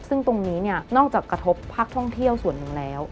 ซึ่งตรงนี้เนี่ยนอกจากกระทบภาคท่องเที่ยวส่วนหนึ่งแล้ว